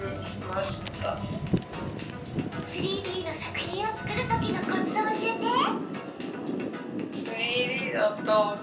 ３Ｄの作品を作る時のコツを教えて！